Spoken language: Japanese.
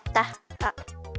あっ。